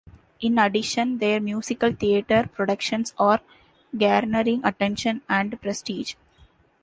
In addition, their musical theatre productions are garnering attention and prestige.